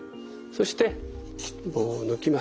そして棒を抜きます。